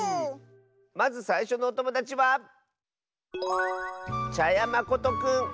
まずさいしょのおともだちはまことくんの。